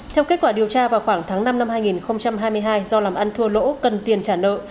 theo kết quả điều tra vào khoảng tháng năm năm hai nghìn hai mươi hai do làm ăn thua lỗ cần tiền trả nợ